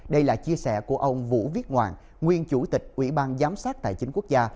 đây là chia sẻ của ông vũ viết ngoạn nguyên chủ tịch ủy ban giám sát tài chính quốc gia